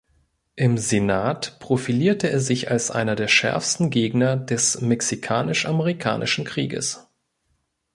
Im Senat profilierte er sich als einer der schärfsten Gegner des Mexikanisch-Amerikanischen Krieges.